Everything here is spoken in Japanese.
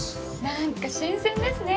なんか新鮮ですね！